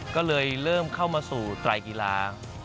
ก็เลยเริ่มเข้ามาสู่ไตรกีฬา